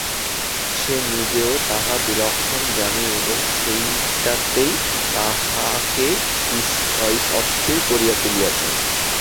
সে নিজেও তাহা বিলক্ষণ জানে এবং সেইটেতেই তাহাকে অস্থির করিয়া তুলিয়াছে।